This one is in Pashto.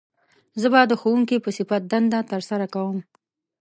زه به د ښوونکي په صفت دنده تر سره کووم